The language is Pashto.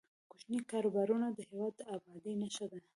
کوچني کاروبارونه د هیواد د ابادۍ نښه ده.